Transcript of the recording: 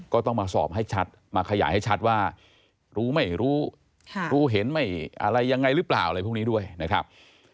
ก็ต้องมาสอบให้ชัดมาขยายให้ชัดว่ารู้ไม่รู้รู้เห็นไม่อะไรยังไงหรือเปล่าอะไรพวกนี้ด้วยนะครับ